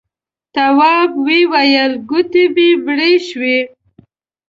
تواب وويل: گوتې مې مړې شوې.